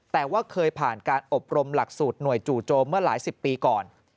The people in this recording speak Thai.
แต่ว่าเคยผ่านการอบรมหลักสูตรหน่วยจู่โจมเมื่อหลายสิบปีก่อน